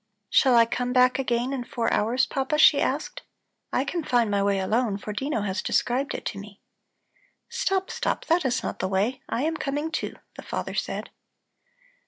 "Shall I come back again in four hours, Papa?" she asked. "I can find my way alone, for Dino has described it to me." "Stop, stop! That is not the way; I am coming, too," the father said.